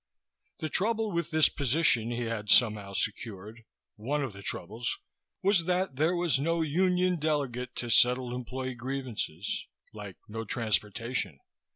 The trouble with this position he had somehow secured one of the troubles was that there was no union delegate to settle employee grievances. Like no transportation.